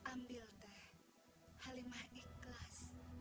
hai ambil teh halimah ikhlas